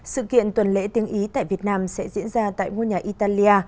sự kiện tuần lễ tiếng ý tại việt nam sẽ diễn ra tại ngôi nhà italia